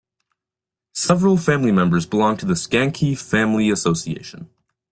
Several family members belong to Skanke Family Association.